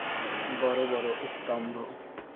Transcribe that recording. বড় বড় স্তম্ভ।